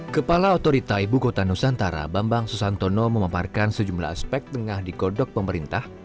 kepala otorita ibu kota nusantara bambang susantono memaparkan sejumlah aspek tengah dikodok pemerintah